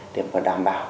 để đảm bảo